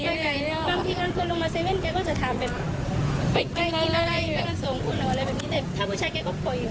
แต่ถ้าผู้ชายเค้าก็ปล่อยปล่อย